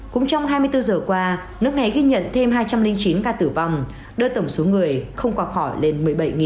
cũng trong hai mươi bốn giờ qua nước này ghi nhận thêm hai trăm linh chín ca tử vong đưa tổng số người không quả khỏi lên một mươi bảy sáu trăm sáu mươi hai